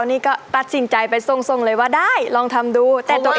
นี่ก็ตัดสินใจไปทรงเลยว่าได้ลองทำดู